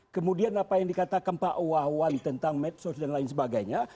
kemudian apa yang dikatakan pak wawan tentang medsos dan lain sebagainya